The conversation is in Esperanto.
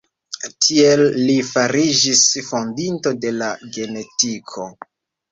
Tiel li fariĝis fondinto de la genetiko.